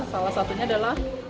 salah satunya adalah